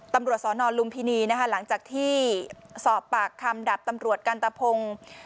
ตำรวจสนลุมพินีหลังจากที่สอบปากคำดาบตำรวจกันตะโพง